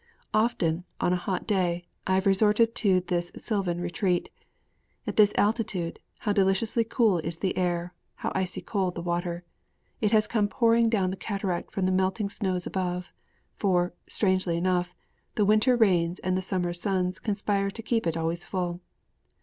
Often, on a hot day, have I resorted to this sylvan retreat. At this altitude, how deliciously cool is the air; how icy cold the water! It has come pouring down the cataract from the melting snows above! For, strangely enough, the winter rains and the summer suns conspire to keep it always full.